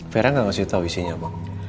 vera gak ngasih tau isinya bu